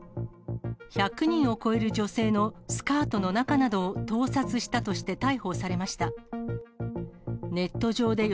１００人を超える女性のスカートの中などを盗撮したとして逮捕されました。